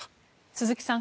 鈴木さん